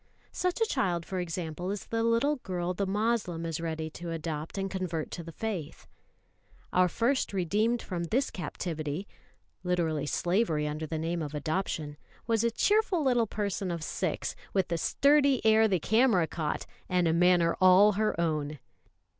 Such a child, for example, is the little girl the Moslem is ready to adopt and convert to the faith. Our first redeemed from this captivity (literally slavery under the name of adoption) was a cheerful little person of six, with the sturdy air the camera caught, and a manner all her own.